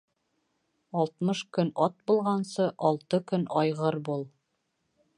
Алтмыш көн ат булғансы, алты көн айғыр бул.